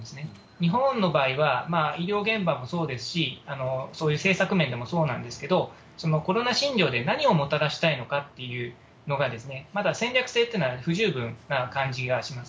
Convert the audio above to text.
日本の場合は医療現場もそうですし、そういう政策面でもそうなんですけれども、コロナ診療で何をもたらしたいのかというのが、まだ戦略性っていうのが不十分な感じがします。